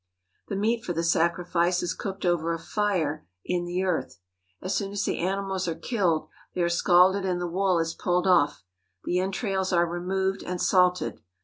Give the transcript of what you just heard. The meat for the sacrifice is cooked over a fire in the earth. As soon as the animals are killed they are scalded and the wool is pulled off. The entrails are removed and salted.